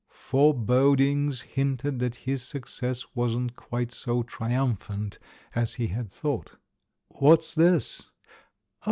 Forebodings hinted that his success wasn't quite so triumphant as he had thought. "What's this?"